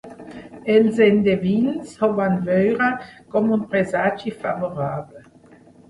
Els endevins ho van veure com un presagi favorable.